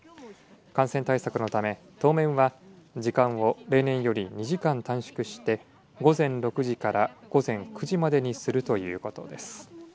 感染対策のため、当面は時間を例年より２時間短縮して午前６時から午前９時までにするということです。